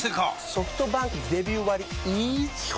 ソフトバンクデビュー割イズ基本